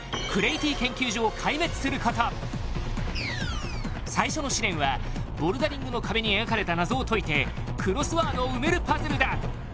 クレイティ研究所を壊滅すること最初の試練はボルダリングの壁に描かれた謎を解いてクロスワードを埋めるパズルだ